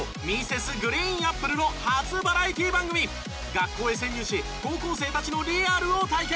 学校へ潜入し高校生たちのリアルを体験。